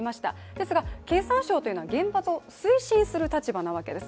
ですが、経産省というのは原発を推進する立場なわけです。